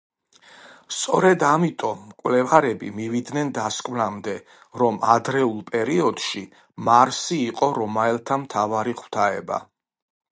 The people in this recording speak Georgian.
სწორედ ამიტომ მკვლევარები მივიდნენ დასკვნამდე, რომ ადრეულ პერიოდში მარსი იყო რომაელთა მთავარი ღვთაება.